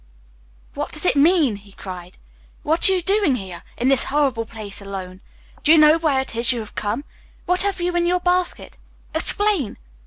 "What does it mean?" he cried. "What are you doing here, in this horrible place alone? Do you know where it is you have come? What have you in your basket? Explain!